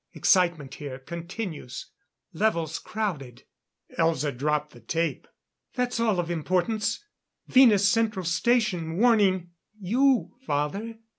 Excitement here continues. Levels crowded "_ Elza dropped the tape. "That's all of importance. Venus Central Station warning you, father."